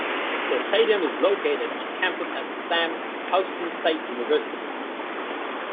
The stadium is located on campus at Sam Houston State University.